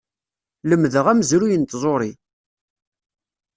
Lemmdeɣ amezruy n tẓuṛi.